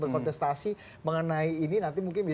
berkontestasi mengenai ini nanti mungkin